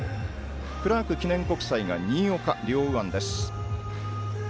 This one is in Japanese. クラーク記念国際が新岡、両右腕。